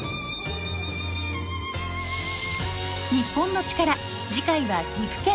『日本のチカラ』次回は岐阜県。